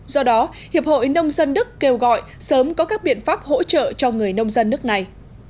do đó hiệp hội nông dân đức kêu gọi sớm có các biện pháp hỗ trợ cho người nông dân nước này